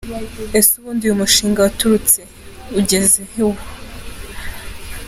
Ese ubundi uyu mushinga waturutse he? ugeze he ubu ?.